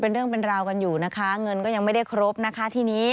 เป็นเรื่องเป็นราวกันอยู่นะคะเงินก็ยังไม่ได้ครบนะคะทีนี้